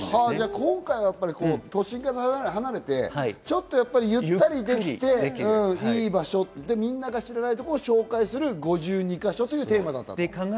今回は都心から離れてちょっとゆったりできていい場所、みんなが知らないところを紹介する５２か所というテーマなんですね。